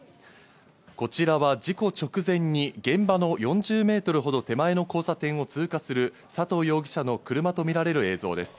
こちらは事故直前に現場の４０ｍほど手前の交差点を通過する佐藤容疑者の車とみられる映像です。